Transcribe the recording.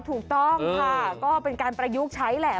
ถูกต้องค่ะก็เป็นการประยุกต์ใช้แหละ